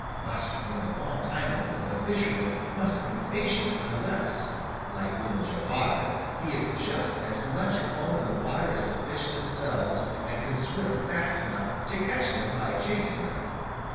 Buster learned a long time ago that a fisherman must be patient unless, like Little Joe Otter, he is just as much at home in the water as the fish themselves, and can swim fast enough to catch them by chasing them.